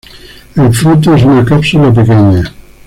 El fruto es una cápsula pequeña.